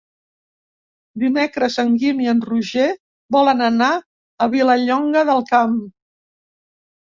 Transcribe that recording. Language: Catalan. Dimecres en Guim i en Roger volen anar a Vilallonga del Camp.